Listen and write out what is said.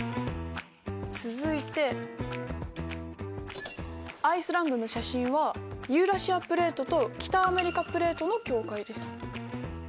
続いてアイスランドの写真はユーラシアプレートと北アメリカプレートの境界です。